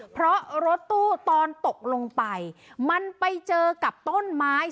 เพราะรถตู้ตอนตกลงไปมันไปเจอกับต้นไม้